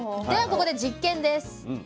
ではここで実験です。